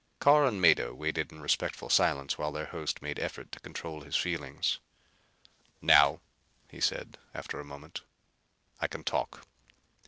Carr and Mado waited in respectful silence while their host made effort to control his feelings. "Now," he said, after a moment, "I can talk.